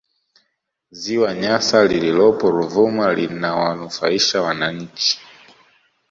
ziwa nyasa lililopo ruvuma linawanufaisha wananchi